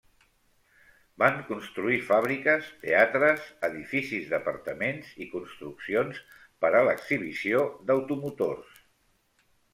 Van construir fàbriques, teatres, edificis d'apartaments i construccions per a l'exhibició d'automotors.